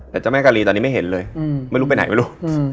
แต่เจ้าแม่กาลีตอนนี้ไม่เห็นเลยไม่รู้ไปไหนไม่รู้